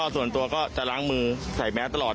ส่วนตัวก็จะล้างมือใส่แมสตลอด